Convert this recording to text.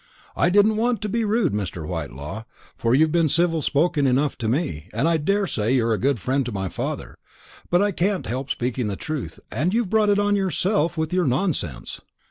I didn't want to be rude, Mr. Whitelaw; for you've been civil spoken enough to me, and I daresay you're a good friend to my father; but I can't help speaking the truth, and you've brought it on yourself with your nonsense."